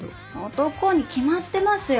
男に決まってますよ。